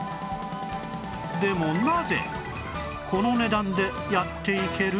でもなぜこの値段でやっていける？